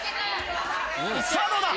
さぁどうだ？